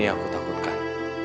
ini aku takutkan